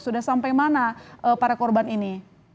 sudah sampai mana para korban ini